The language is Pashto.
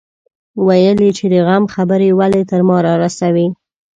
ويل يې چې د غم خبرې ولې تر ما رارسوي.